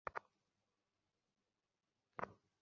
আমাকে জবাব দিন।